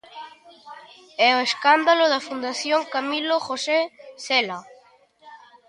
¿E o escándalo da Fundación Camilo José Cela?